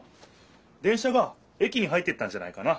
電車が駅に入っていったんじゃないかな。